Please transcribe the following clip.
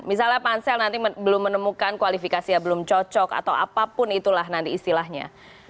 misalnya pansel nanti belum menemukan kualifikasi yang belum cocok atau apapun itulah nanti istilahnya